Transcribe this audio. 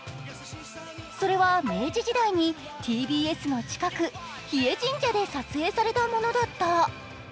それは明治時代にＴＢＳの近く、日枝神社で撮影されたものだった。